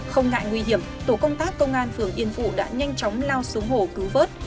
không ngại nguy hiểm tổ công tác công an phường yên phú đã nhanh chóng lao xuống hồ cứu vớt